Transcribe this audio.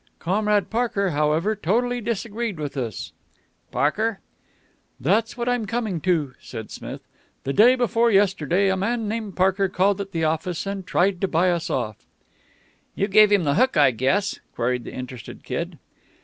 Comrade Parker, however, totally disagreed with us." "Parker?" "That's what I'm coming to," said Smith. "The day before yesterday a man named Parker called at the office and tried to buy us off." "You gave him the hook, I guess?" queried the interested Kid.